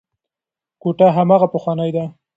کوټه هماغه پخوانۍ ده.